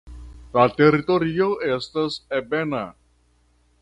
La teritorio estas ebena.